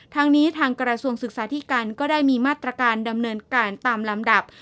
ทางนี้ทางกระทรวงศึกษาธิการก็ได้มีมาตรการดำเนินการตามลำดับ